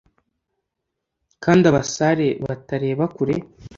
kandi abasare batareba kure,